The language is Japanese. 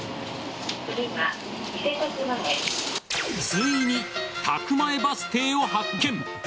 ついに宅前バス停を発見。